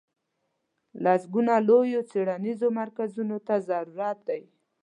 لسګونو لویو څېړنیزو مرکزونو ته ضرورت دی.